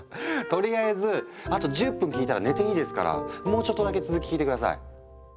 とりあえずあと１０分聞いたら寝ていいですからもうちょっとだけ続き聞いて下さい。